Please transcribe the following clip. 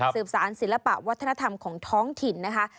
สารศิลปะวัฒนธรรมของท้องถิ่นนะคะ